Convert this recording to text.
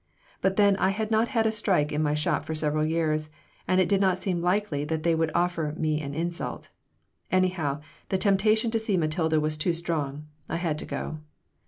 But then I had not had a strike in my shop for several years, and it did not seem likely that they would offer me an insult. Anyhow, the temptation to see Matilda was too strong. I had to go.